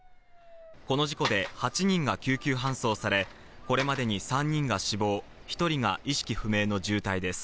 この事故で８人が救急搬送され、これまでに３人が死亡、１人が意識不明の重体です。